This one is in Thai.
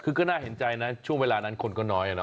คือก็น่าเห็นใจนะช่วงเวลานั้นคนก็น้อยนะ